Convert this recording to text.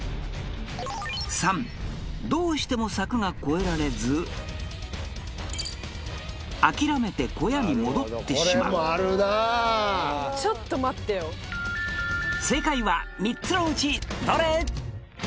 ３どうしても柵が越えられず諦めて小屋に戻ってしまう正解は３つのうちどれ？